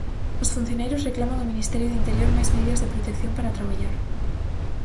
Os funcionarios reclaman ao Ministerio de Interior máis medidas de protección para traballar...